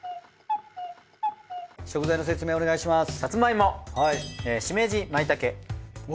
食材の説明お願いします。